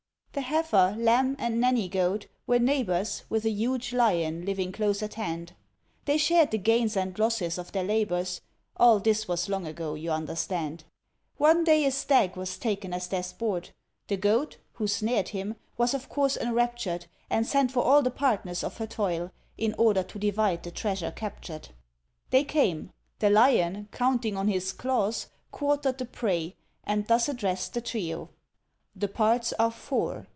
The Heifer, Lamb, and Nanny goat were neighbours, With a huge Lion living close at hand, They shared the gains and losses of their labours (All this was long ago, you understand). One day a stag was taken as their sport; The Goat, who snared him, was of course enraptured, And sent for all the partners of her toil, In order to divide the treasure captured. They came. The Lion, counting on his claws, Quartered the prey, and thus addressed the trio "The parts are four.